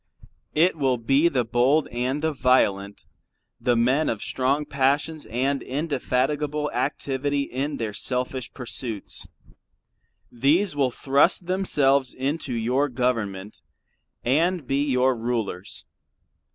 It will be the bold and the violent, the men of strong passions and indefatigable activity in their selfish pursuits. These will thrust themselves into your Government and be your rulers.